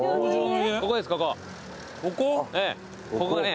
ここ？